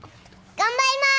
頑張ります！